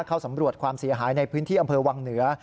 เข้าสำรวจความเสียหายในพื้นที่อำเภอวังเหนือ